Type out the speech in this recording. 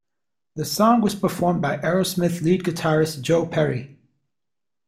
The song was performed by Aerosmith lead guitarist Joe Perry.